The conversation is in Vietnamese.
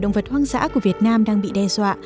động vật hoang dã của việt nam đang bị đe dọa